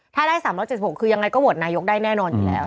ถ้าได้๓๗๖คือยังไงก็โหวตนายกได้แน่นอนอยู่แล้ว